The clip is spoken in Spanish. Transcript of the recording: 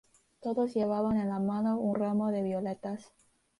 Todos llevaban en la mano un ramo de violetas.